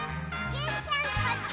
ちーちゃんこっち！